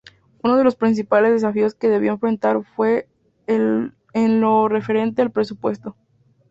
Uno de los principales desafíos que debió enfrentar fue en lo referente al presupuesto.